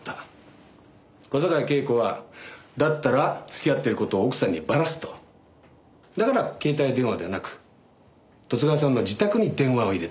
小坂井恵子はだったら付き合っている事を奥さんにバラすとだから携帯電話ではなく十津川さんの自宅に電話を入れた。